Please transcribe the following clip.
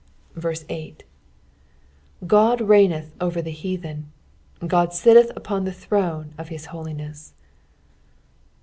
8 God reigneth over the heathen : God sitteth upon the throne of his holiness.